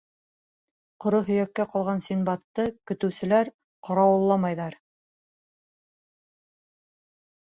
Ҡоро һөйәккә ҡалған Синдбадты көтөүселәр ҡарауылламайҙар.